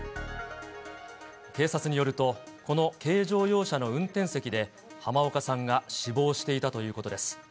警察によると、この軽乗用車の運転席で、濱岡さんが死亡していたということです。